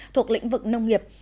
thuộc lĩnh vực nông nghiệp